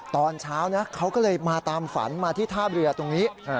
ตอนเช้านะเขาก็เลยมาตามฝันมาที่ท่าเรือตรงนี้